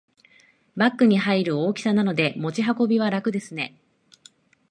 バッグに入る大きさなので持ち運びは楽ですね